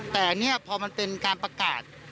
แต่นี่พอมันเป็นการประกาศ